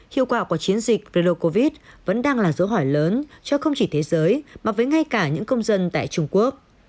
hiệu quả của chiến dịch virus covid vẫn đang là dấu hỏi lớn cho không chỉ thế giới mà với ngay cả những công dân tại trung quốc